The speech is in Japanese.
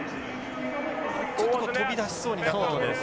ちょっと飛び出しそうになったところ。